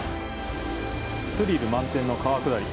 スリル満点の川下り。